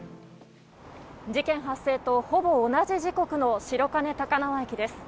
事件発生とほぼ同じ時刻の白金高輪駅です。